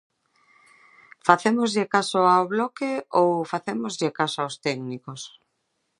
¿Facémoslle caso ao Bloque ou facémoslles caso aos técnicos?